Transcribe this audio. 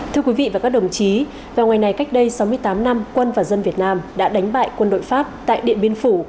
thưa quý vị và các đồng chí vào ngày này cách đây sáu mươi tám năm quân và dân việt nam đã đánh bại quân đội pháp tại điện biên phủ